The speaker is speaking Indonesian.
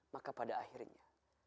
maka pada akhirnya